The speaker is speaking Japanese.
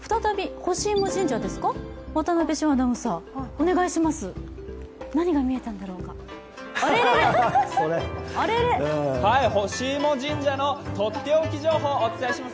ほしいも神社のとっておき情報をお伝えします。